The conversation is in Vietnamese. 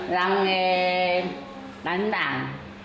làm nghề đánh bảng